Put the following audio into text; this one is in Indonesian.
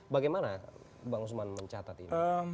bagaimana bang usman mencatat ini